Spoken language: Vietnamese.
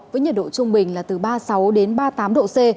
với nhiệt độ trung bình là từ ba mươi sáu đến ba mươi tám độ c